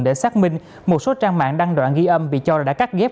để xác minh một số trang mạng đăng đoạn ghi âm bị cho đã cắt ghép